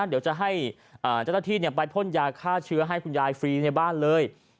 เดี๋ยวจะให้เจ้าหน้าที่ไปพ่นยาฆ่าเชื้อให้คุณยายฟรีในบ้านเลย